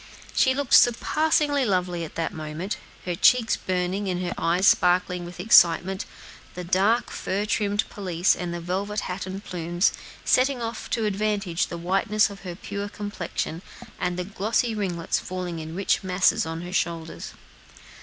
She looked surpassingly lovely at that moment, her cheeks burning, and her eyes sparkling with excitement; the dark, fur trimmed pelisse, and the velvet hat and plumes, setting off to advantage the whiteness of her pure complexion and the glossy ringlets falling in rich masses on her shoulders.